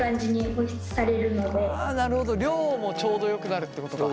あなるほど量もちょうどよくなるってことか。